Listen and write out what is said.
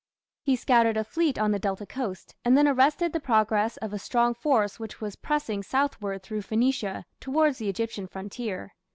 He scattered a fleet on the Delta coast, and then arrested the progress of a strong force which was pressing southward through Phoenicia towards the Egyptian frontier.